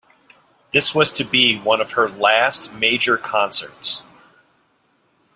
This was to be one of her last major concerts.